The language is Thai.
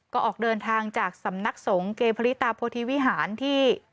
ก็ออกเดินทางจากสำนักสงฆ์เกพริตาโพธิวิหารที่